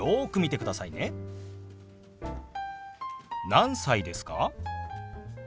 何歳ですか？